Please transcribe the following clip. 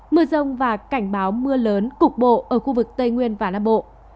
mưa rông và cảnh báo mưa lớn cục bộ ở khu vực tây nguyên và nam bộ